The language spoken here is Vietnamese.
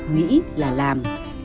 nghĩ là làm